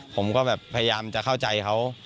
ผมก็แบบพยายามจะเข้าใจเขา